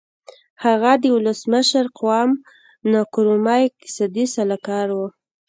هغه د ولسمشر قوام نکرومه اقتصادي سلاکار و.